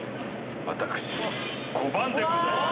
私５番でございます。